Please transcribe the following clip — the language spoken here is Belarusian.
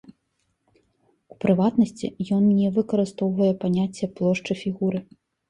У прыватнасці, ён не выкарыстоўвае паняцце плошчы фігуры.